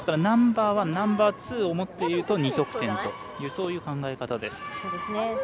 ですから、ナンバーワンナンバーツーを持っていると２得点という考え方になります。